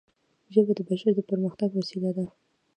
ژبه د بشر د پرمختګ وسیله ده